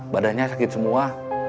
badannya sakit semua